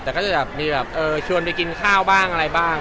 แต่ก็จะแบบมีแบบชวนไปกินข้าวบ้างอะไรบ้าง